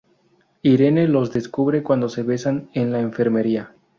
Irene los descubre cuando se besan en la enfermería.